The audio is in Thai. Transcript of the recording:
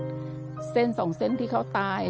ทำงานชื่อนางหยาดฝนภูมิสุขอายุ๕๔ปี